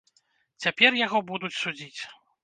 Цяпер яго будуць судзіць.